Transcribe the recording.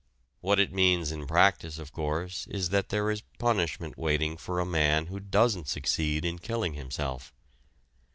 What it means in practice, of course, is that there is punishment waiting for a man who doesn't succeed in killing himself.